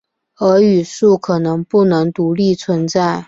而语素可能不能独立存在。